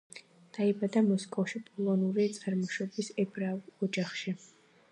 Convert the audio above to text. დაიბადა მოსკოვში პოლონური წარმოშობის ებრაულ ოჯახში.